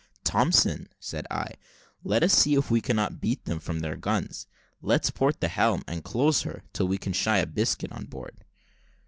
"Thompson," said I, "let us see if we cannot beat them from their guns. Let's port the helm, and close her, till we can shy a biscuit on board."